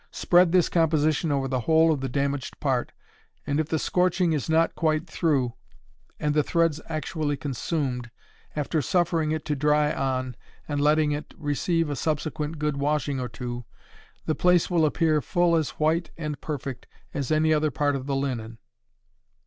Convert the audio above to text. Spread this composition over the whole of the damaged part; and if the scorching is not quite through, and the threads actually consumed, after suffering it to dry on, and letting it receive a subsequent good washing or two, the place will appear full as white and perfect as any other part of the linen.